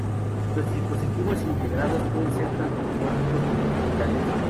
Los dispositivos integrados pueden ser tanto analógicos como digitales.